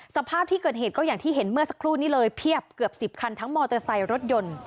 สภาพที่เกิดเหตุก็อย่างที่เห็นเมื่อสักครู่นี้เลยเพียบเกือบ๑๐คันทั้งมอเตอร์ไซค์รถยนต์